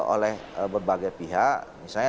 oleh berbagai pihak misalnya